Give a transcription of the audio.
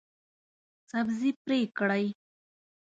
سبزي پرې کړئ